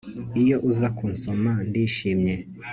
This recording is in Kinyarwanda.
Iyo uza kunsoma ndishimye